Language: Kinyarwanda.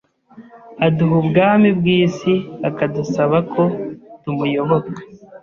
aduha ubwami bw’isi akadusaba ko tumuyoboka.